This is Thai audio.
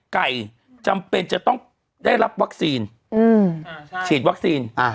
ไก่จำเป็นจะต้องได้รับวัคซีนอืมใช่ฉีดวัคซีนอ่าฮะ